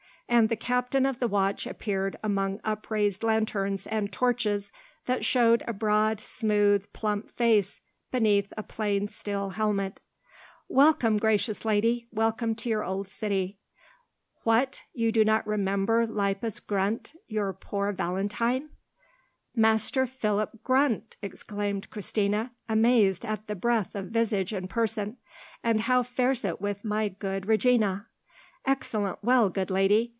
And the captain of the watch appeared among upraised lanterns and torches that showed a broad, smooth, plump face beneath a plain steel helmet. "Welcome, gracious lady, welcome to your old city. What! do you not remember Lippus Grundt, your poor Valentine?" "Master Philip Grundt!" exclaimed Christina, amazed at the breadth of visage and person; "and how fares it with my good Regina?" "Excellent well, good lady.